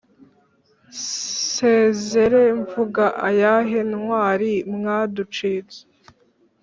Nsezere mvuga ayahe Ntwari mwaducitse?